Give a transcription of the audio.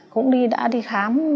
cũng đã đi khám